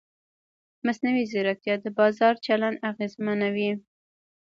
مصنوعي ځیرکتیا د بازار چلند اغېزمنوي.